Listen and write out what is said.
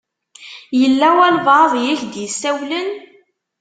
Yella walebɛaḍ i ak-d-isawlen?